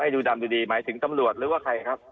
ดูดำดูดีหมายถึงตำรวจหรือว่าใครครับ